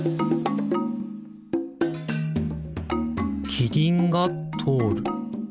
キリンがとおる。